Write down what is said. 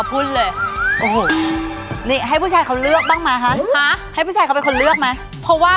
ผู้ชายในฝั่งของเรา